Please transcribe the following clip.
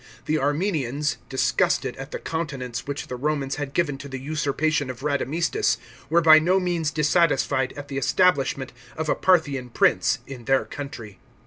The Armenians, disgusted at the countenance which the Romans had given to the usurpation of Radamistus, were by no means dissatisfied at the establishment of a Parthian prince in their country.